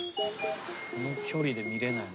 この距離で見られない。